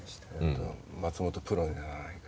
「松本プロにならないか？」。